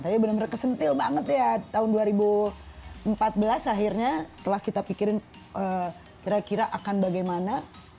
tapi benar benar kesentil banget ya tahun dua ribu empat belas akhirnya setelah kita pikirin kira kira akan bagaimana